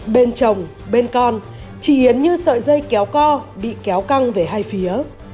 bên chồng bên con chỉ hiến như sợi dây kéo co bị kéo căng về hai phía